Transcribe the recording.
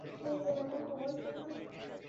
এ জায়গাটা খুবই সুন্দর।